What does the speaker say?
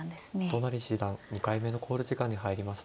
都成七段２回目の考慮時間に入りました。